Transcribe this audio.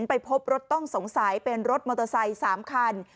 ไปพบรถต้องสงสัยเป็นรถมอเตอร์ไซค์๓คัน